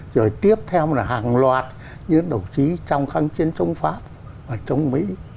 rồi tiếp theo là hàng loạt những đồng chí trong khăn chiến trong pháp và trong mỹ